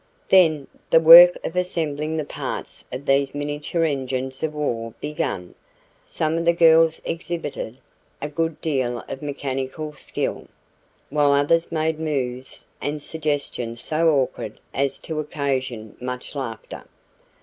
Then the work of assembling the parts of these miniature engines of war began. Some of the girls exhibited a good deal of mechanical skill, while others made moves and suggestions so awkward as to occasion much laughter.